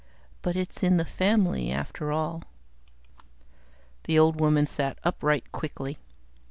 But it's in the family, after all." The old woman sat upright quickly.